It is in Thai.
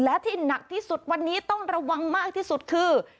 และที่หนักที่สุดวันนี้ต้องระวังมากที่สุดคือ